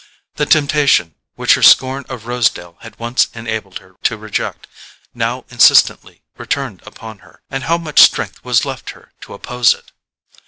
The temptation, which her scorn of Rosedale had once enabled her to reject, now insistently returned upon her; and how much strength was left her to oppose it?